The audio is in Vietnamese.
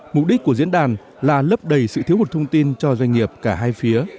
mục đích của diễn đàn là lấp đầy sự thiếu hụt thông tin cho doanh nghiệp cả hai phía